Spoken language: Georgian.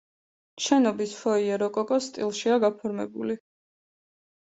შენობის ფოიე როკოკოს სტილშია გაფორმებული.